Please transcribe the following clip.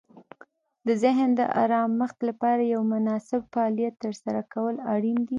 د ذهن د آرامښت لپاره یو مناسب فعالیت ترسره کول اړین دي.